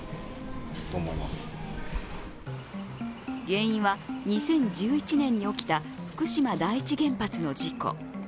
原因は２０１１年に起きた福島第一原発の事故。